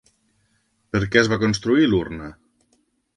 Per què es va construir l'urna?